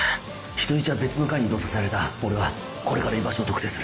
人質は別の階に移動させられた俺はこれから居場所を特定する。